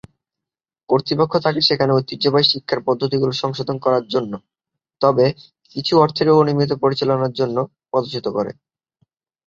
কর্তৃপক্ষ তাকে সেখানে ঐতিহ্যবাহী শিক্ষার পদ্ধতিগুলি সংশোধন করার জন্য, তবে "কিছু অর্থের অনিয়মিত পরিচালনার জন্য" পদচ্যুত করে।